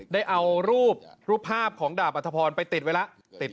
ได้เอารูปรูปภาพของดาบอัธพรไปติดไว้แล้ว